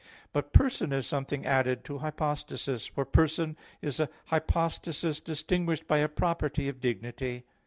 But person is something added to hypostasis; for person is "a hypostasis distinguished by a property of dignity."